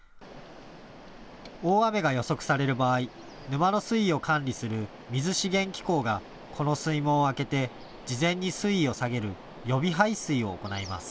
大雨が予測される場合、沼の水位を管理する水資源機構がこの水門を開けて事前に水位を下げる予備排水を行います。